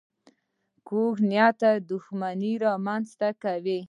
کوږ نیت دښمني رامنځته کوي